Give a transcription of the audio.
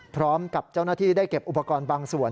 พร้อมกับเจ้าหน้าที่ได้เก็บอุปกรณ์บางส่วน